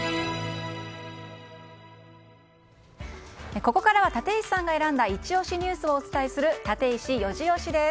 ここからは立石さんが選んだイチ押しニュースをお伝えするタテイシ４時推しです。